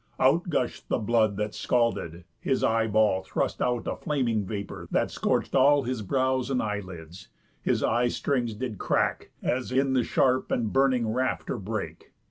Out gush'd the blood that scalded, his eye ball Thrust out a flaming vapour, that scorch'd all His brows and eye lids, his eye strings did crack, As in the sharp and burning rafter brake.